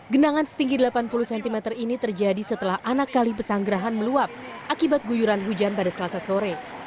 genangan setinggi delapan puluh cm ini terjadi setelah anak kali pesanggerahan meluap akibat guyuran hujan pada selasa sore